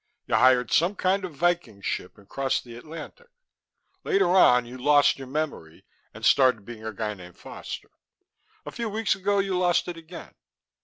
You hired some kind of Viking ship and crossed the Atlantic. Later on, you lost your memory, and started being a guy named Foster. A few weeks ago you lost it again.